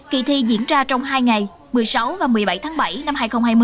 kỳ thi diễn ra trong hai ngày một mươi sáu và một mươi bảy tháng bảy năm hai nghìn hai mươi